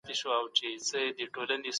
په خپل ژوند کي په کلونو ټول جهان سې غولولای